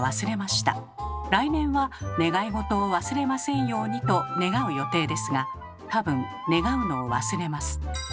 来年は願い事を忘れませんようにと願う予定ですが多分願うのを忘れます。